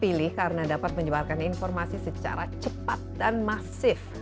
pilih karena dapat menyebarkan informasi secara cepat dan masif